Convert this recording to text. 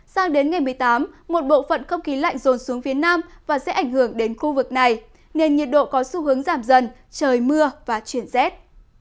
sang đến ngày một mươi tám một bộ phận không khí lạnh rồn xuống phía nam và sẽ ảnh hưởng đến khu vực này nên nhiệt độ có xu hướng giảm dần trời mưa và chuyển rét